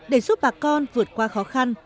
để giúp bà con vượt qua khó khăn